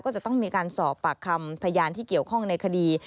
ก็จะต้องมีการสอบปากคำพยานที่เกี่ยวข้องในคดี